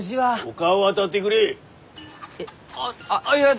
ああっいや。